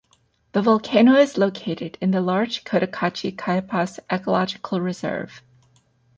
The volcano is located in the large Cotacachi Cayapas Ecological Reserve.